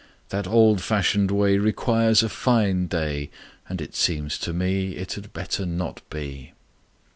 That old fashioned way Requires a fine day, And it seems to me It had better not be."